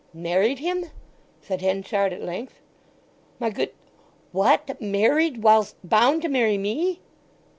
"Married him?" said Henchard at length. "My good—what, married him whilst—bound to marry me?"